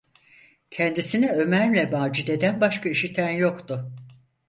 Kendisini Ömer’le Macide’den başka işiten yoktu.